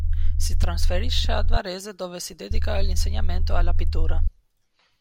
Si trasferisce a Varese dove si dedica all'insegnamento e alla pittura.